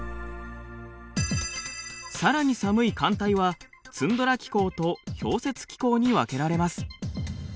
さらに寒い寒帯はツンドラ気候と氷雪気候に分けられます。